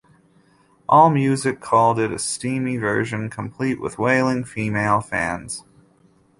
Allmusic called it a steamy version... complete with wailing female fans.